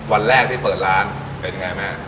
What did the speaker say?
วันแรกที่เปิดร้านเป็นยังไงแม่